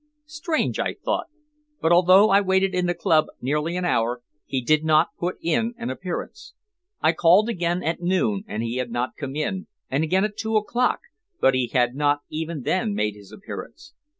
Strange, I thought, but although I waited in the club nearly an hour, he did not put in an appearance. I called again at noon, and he had not come in, and again at two o'clock, but he had not even then made his appearance.